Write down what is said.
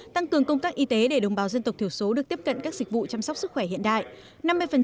tăng cường công tác y tế để đồng bào dân tộc thiểu số được tiếp cận các dịch vụ chăm sóc sức khỏe hiện đại